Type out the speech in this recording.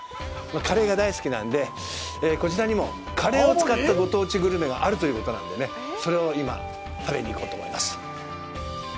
カレーが大好きなのでこちらにも、カレーを使ったご当地グルメがあるということなのでそれを今、食べに行こうと思います。